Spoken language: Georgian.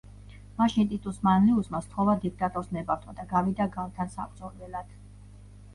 მაშინ ტიტუს მანლიუსმა სთხოვა დიქტატორს ნებართვა და გავიდა გალთან საბრძოლველად.